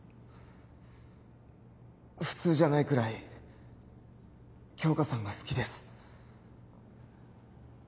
普通じゃないくらい杏花さんが好きです